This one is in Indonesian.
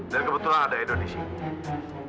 dan kebetulan ada edo disini